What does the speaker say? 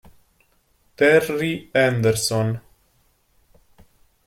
Terry Henderson